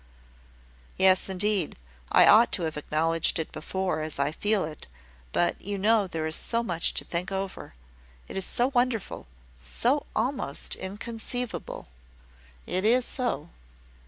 "Yes, indeed, I ought to have acknowledged it before, as I feel it; but you know there is so much to think over! it is so wonderful so almost inconceivable!" "It is so."